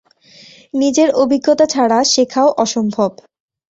নিজের অভিজ্ঞতা ছাড়া শেখাও অসম্ভব।